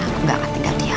aku gak akan tinggal diam